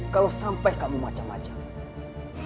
kalau sampai kamu macem macem